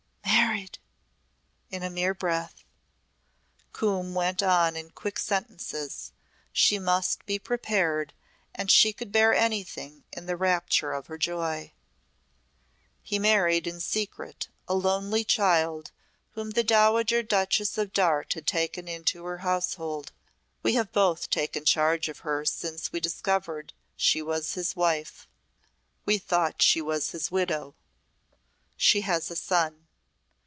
"Married!" in a mere breath. Coombe went on in quick sentences. She must be prepared and she could bear anything in the rapture of her joy. "He married in secret a lonely child whom the Dowager Duchess of Darte had taken into her household. We have both taken charge of her since we discovered she was his wife. We thought she was his widow. She has a son.